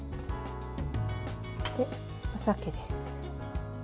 お酒です。